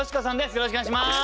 よろしくお願いします。